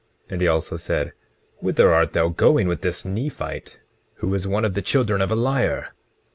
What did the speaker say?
20:10 And he also said: Whither art thou going with this Nephite, who is one of the children of a liar?